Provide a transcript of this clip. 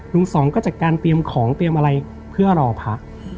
สองก็จัดการเตรียมของเตรียมอะไรเพื่อรอพระ